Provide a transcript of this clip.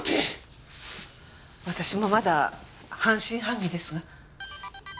私もまだ半信半疑ですが。